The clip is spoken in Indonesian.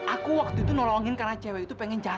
aku waktu itu nolongin karena cewek itu pengen cari